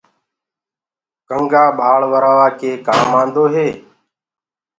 ڪنٚگآ ٻݪورآوآ ڪي ڪآم آندو هي۔